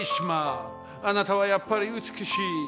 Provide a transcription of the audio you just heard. あなたはやっぱりうつくしい！